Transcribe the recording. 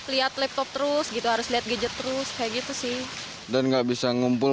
lihat laptop terus gitu harus lihat gadget terus kayak gitu sih dan nggak bisa ngumpul